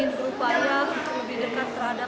ingin berupaya lebih dekat terhadap anak anak di sini